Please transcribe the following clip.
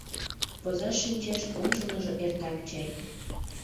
Возаш шинчеш — ончылныжо эртак чай.